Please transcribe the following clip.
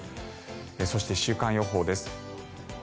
そして、週間予報です。